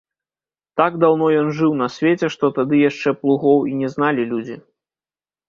Так даўно ён жыў на свеце, што тады яшчэ плугоў і не зналі людзі.